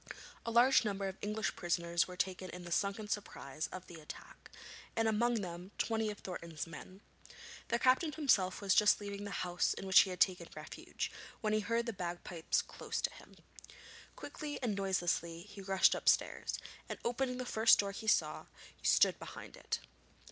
A large number of English prisoners were taken in the sudden surprise of the attack, and among them twenty of Thornton's men. The captain himself was just leaving the house in which he had taken refuge, when he heard the bagpipes close to him. Quickly and noiselessly he rushed upstairs, and opening the first door he saw, stood behind it.